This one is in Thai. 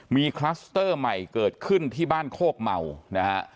มีคลัสเตอร์ใหม่เกิดขึ้นที่บ้านโคกเมานะฮะ